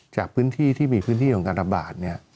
จากพื้นที่ที่มีพื้นที่ของการระบาดเนี่ย